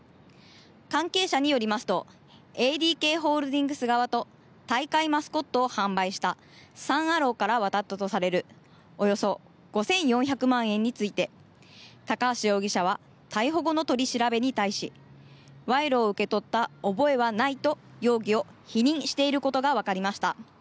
関係者によりますとＡＤＫホールディングス側と大会マスコットを販売したサン・アローから渡ったとされるおよそ５４００万円について高橋容疑者は逮捕後の取り調べに対し賄賂を受け取った覚えはないと容疑を否認していることが分かりました。